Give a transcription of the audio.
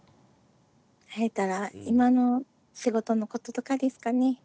今の仕事のこととかですかね。